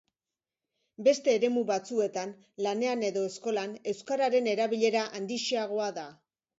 Beste eremu batzuetan, lanean edo eskolan, euskararen erabilera handixeagoa da.